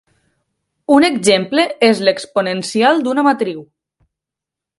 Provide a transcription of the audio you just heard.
Un exemple és l'exponencial d'una matriu.